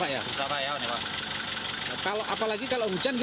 aku tantan tantan kedotam nak keluar memang saya ada